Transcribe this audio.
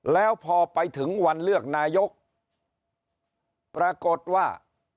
แล้วพอไปถึงวันเลือกนายกปรากฏว่า